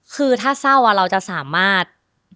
คือถ้าเศร้าเราจะสามารถ